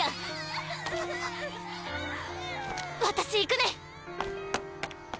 私行くね！